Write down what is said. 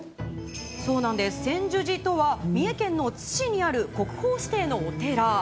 そうなんです、専修寺とは三重県の津市にある国宝指定のお寺。